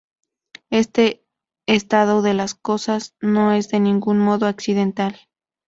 Este estado de las cosas no es de ningún modo accidental.